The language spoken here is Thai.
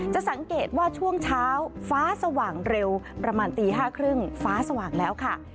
จะสังเกตว่าช่วงเช้าฟ้าสว่างเร็วประมาณตี๕๓๐ฟ้าสว่างแล้วค่ะ